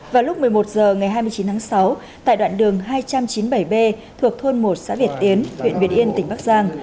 vào lúc một mươi một h ngày hai mươi chín tháng sáu tại đoạn đường hai trăm chín mươi bảy b thuộc thôn một xã việt tiến huyện việt yên tỉnh bắc giang